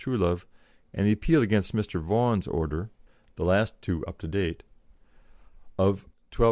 Truelove, and the appeal against Mr. Vaughan's order (the last two up to date) of £1,274 10s.